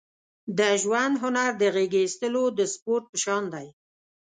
د ژوند هنر د غېږې اېستلو د سپورت په شان دی.